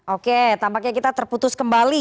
oke tampaknya kita terputus kembali